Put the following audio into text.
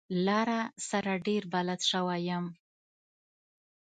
لاره سره ډېر بلد شوی يم.